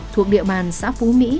thuộc địa bàn xã phú mỹ